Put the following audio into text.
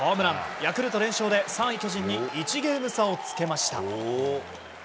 ヤクルト連勝で３位、巨人に１ゲーム差をつけました。